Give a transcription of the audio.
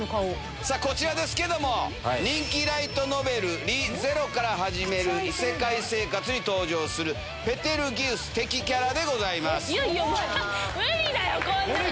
さあ、こちらですけれども、人気ライトノベル、Ｒｅ：ゼロから始める異世界生活に登場する、ペテルギウス、無理だよ、こんなの。